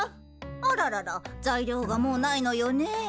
あららら材料がもうないのよねえ。